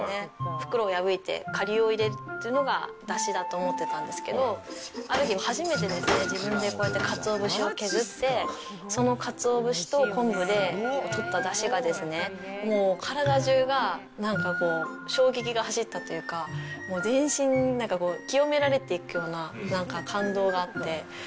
袋を破いて、かりゅうを入れるというのがだしだと思ってたんですけど、ある日、初めて自分でこうやってかつお節を削って、そのかつお節と昆布でとっただしが、もう体中がなんかこう、衝撃が走ったというか、もう全身、なんかこう、清められていくような、なんか感動があって。